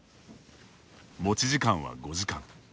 持ち時間は５時間。